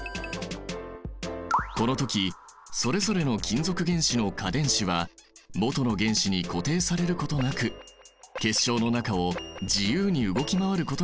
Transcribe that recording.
この時それぞれの金属原子の価電子はもとの原子に固定されることなく結晶の中を自由に動き回ることができる。